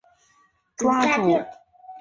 抓住他们！